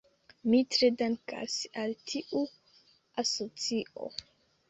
Mi tre dankas al tiu asocio.